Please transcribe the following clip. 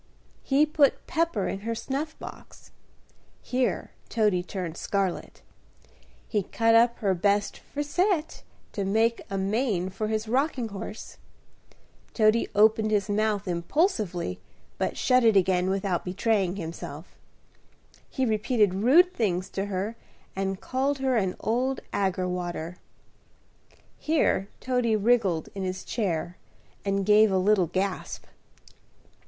He put pepper in her snuff box," here Toady turned scarlett, "he cut up her bestt frisette to make a mane for his rocking horse," Toady opened his mouth impulsively, but shut it again without betraying himself "he repeated rude things to her, and called her 'an old aggrewater,'" here Toady wriggled in his chair, and gave a little gasp.